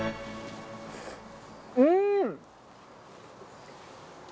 うん！